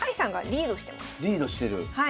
リードしてる。